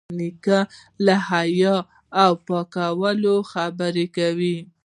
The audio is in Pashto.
نیکه له حیا او پاکوالي خبرې کوي.